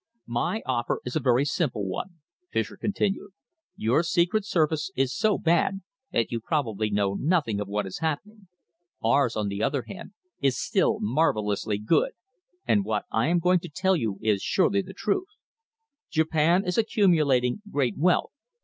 "My offer itself is a very simple one," Fischer continued. "Your secret service is so bad that you probably know nothing of what is happening. Ours, on the other hand, is still marvellously good, and what I am going to tell you is surely the truth. Japan is accumulating great wealth.